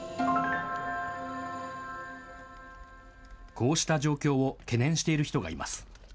こうした状況を懸念している人がいます。